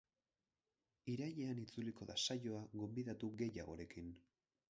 Irailean itzuliko da saioa gonbidatu gehiagorekin.